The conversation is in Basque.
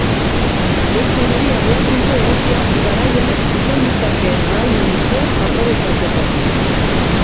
Ez dirudi abiapuntu egokia garai honek izan ditzakeen ahalmen guztiak aprobetxatzeko.